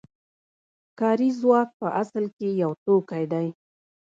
کاري ځواک په اصل کې یو توکی دی